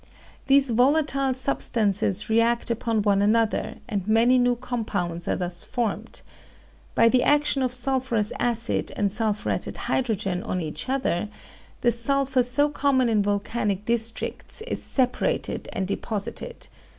These volatile substances react upon one another, and many new compounds are thus formed. By the action of sulphurous acid and sulphuretted hydrogen on each other, the sulphur so common in volcanic districts is separated and deposited.